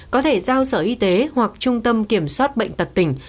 có thể giao sở y tế hoặc trung tâm kiểm soát bệnh tật tỉnh